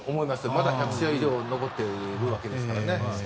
まだ１００試合以上残っているわけですからね。